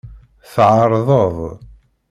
Tɛerḍeḍ.